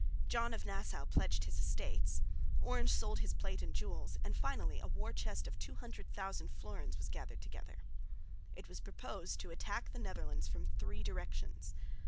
John of Nassau pledged his estates, Orange sold his plate and jewels, and finally a war chest of 200,000 florins was gathered together. It was proposed to attack the Netherlands from three directions.